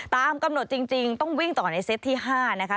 ตามกำหนดจริงต้องวิ่งต่อในเซตที่๕นะคะ